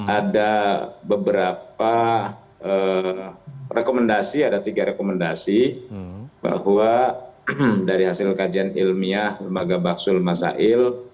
ada beberapa rekomendasi ada tiga rekomendasi